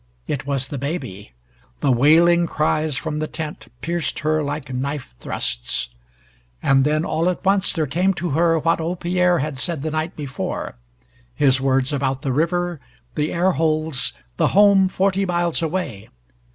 It was the baby. The wailing cries from the tent pierced her like knife thrusts. And then, all at once, there came to her what old Pierre had said the night before his words about the river, the air holes, the home forty miles away.